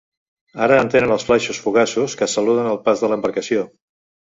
Ara entenen els flaixos fugaços que saluden el pas de l'embarcació.